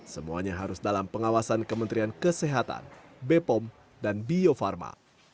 semuanya harus dalam pengawasan kementerian kesehatan bepom dan bio farma